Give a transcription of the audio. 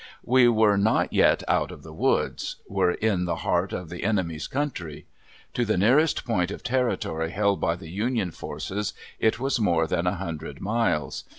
We were not yet "out of the woods;" were in the heart of the enemy's country. To the nearest point of territory held by the Union forces it was more than a hundred miles.